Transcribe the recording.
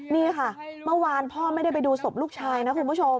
นี่ค่ะเมื่อวานพ่อไม่ได้ไปดูศพลูกชายนะคุณผู้ชม